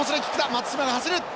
松島が走る。